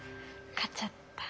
勝っちゃった。